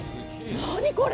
何これ？